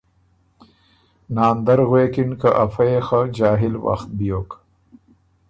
ناندر غوېکِن که ” ا فۀ يې خه جاهِل وخت بیوک۔